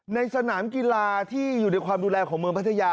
ในสนามกีฬาที่อยู่ในความดูแลของเมืองพัทยา